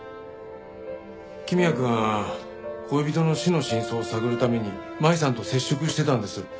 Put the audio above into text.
公也くん恋人の死の真相を探るために舞さんと接触してたんです。